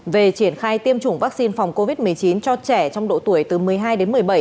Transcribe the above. về triển khai tiêm chủng vaccine phòng covid một mươi chín cho trẻ trong độ tuổi từ một mươi hai đến một mươi bảy